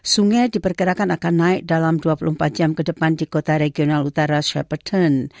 sungai diperkirakan akan naik dalam dua puluh empat jam ke depan di kota regional utara swepperton